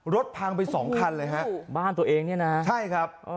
รถพังไปสองคันเลยฮะบ้านตัวเองเนี่ยนะใช่ครับ